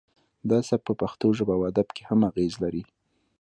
دا سبک په پښتو ژبه او ادب کې هم اغیز لري